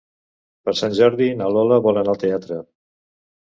Per Sant Jordi na Lola vol anar al teatre.